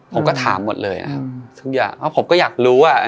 ผมก็ถามหมดเลยอ่ะทุกอย่างแล้วผมก็อยากรู้อ่ะอ่า